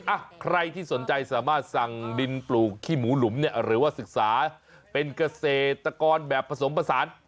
อ่ะใครที่สนใจสามารถสั่งดินปลูกขี้หมูหลุมเนี่ยหรือว่าศึกษาเป็นเกษตรกรแบบผสมผสาน